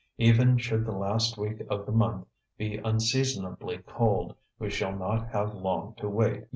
Even should the last week of the month be unseasonably cold we shall not have long to wait.